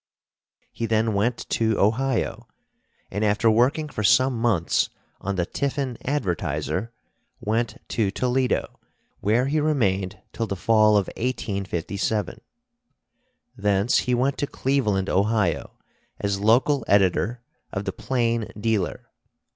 He then went to Ohio, and after working for some months on the Tiffin Advertiser, went to Toledo, where he remained till the fall of 1857. Thence he went to Cleveland, Ohio, as local editor of the Plain Dealer.